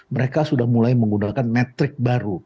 mereka sudah mulai menggunakan metrik baru